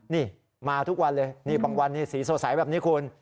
นี่มาทุกวันเลยบางวันสีสว่าใสแบบนี้คุณ